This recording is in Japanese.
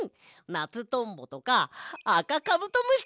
ナツトンボとかあかカブトムシとか！